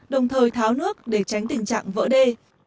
đồng thời tháo nước để tránh tình trạng vỡ đê